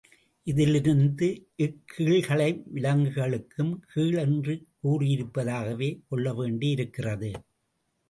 இதிலிருந்த இக் கீழ்களை விலங்குகளுக்கும் கீழ் என்று கூறியிருப்பதாகவே கொள்ளவேண்டியிருக்கிறது.